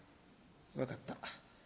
「分かった」。